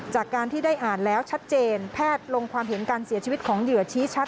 จากการที่ได้อ่านแล้วชัดเจนแพทย์ลงความเห็นการเสียชีวิตของเหยื่อชี้ชัด